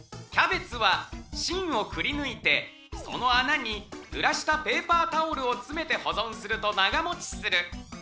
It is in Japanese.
「キャベツはしんをくりぬいてそのあなにぬらしたペーパータオルをつめてほぞんするとながもちする」